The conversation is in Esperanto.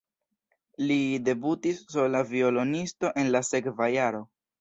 Li debutis sola violonisto en la sekva jaro.